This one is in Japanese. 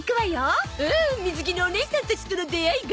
おお水着のおねいさんたちとの出会いが